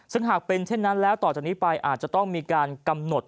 ซึ่งหากเป็นเช่นนั้นแล้วต่อจากนี้ไปอาจจะต้องมีการกำหนด